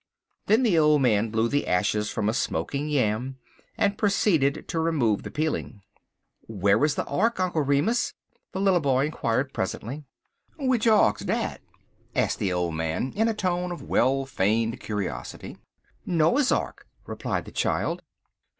Then the old man blew the ashes from a smoking yam, and proceeded to remove the peeling. "Where was the ark, Uncle Remus?" the little boy inquired, presently. "W'ich ark's dat?" asked the old man, in a tone of well feigned curiosity. "Noah's ark," replied the child.